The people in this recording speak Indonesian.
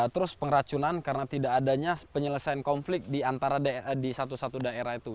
terus pengracunan karena tidak adanya penyelesaian konflik di satu satu daerah itu